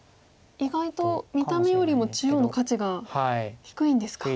意外と見た目よりも中央の価値が低いんですか。